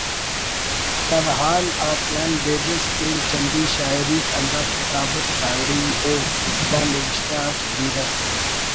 سرحال آتیان بیدس پین چندی شاعریک ہندا کتاب اٹ ساڑی ءُ دا نوشتہ اٹ بیرہ